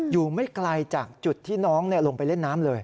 อยู่ไม่ไกลจากจุดที่น้องลงไปเล่นน้ำเลย